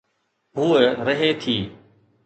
هوءَ رهي ٿي.